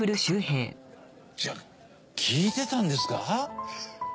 じゃあ聞いてたんですか？